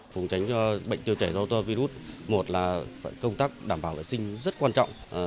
phùng tránh cho bệnh tiêu chảy rota virus một là công tác đảm bảo vệ sinh rất quan trọng